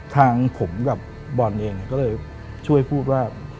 ทางผมกับบอลเองก็เลยช่วยพูดว่า